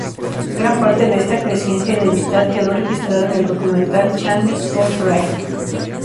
Gran parte de esta creciente enemistad quedó registrada en el documental "Channels of Rage".